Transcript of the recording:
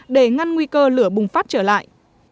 để ngăn nguy cơ lửa bùng phát trở lại